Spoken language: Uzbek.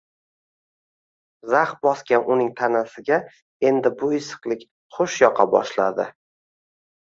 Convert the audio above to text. Zax bosgan uning tanasiga endi bu issiqlik xush yoqa boshladi.